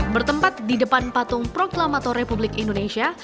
bertempat di depan patung proklamator republik indonesia